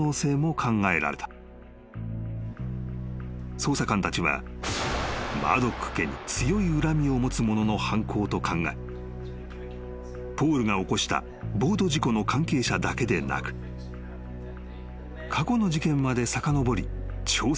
［捜査官たちはマードック家に強い恨みを持つ者の犯行と考えポールが起こしたボート事故の関係者だけでなく過去の事件までさかのぼり調査を行った］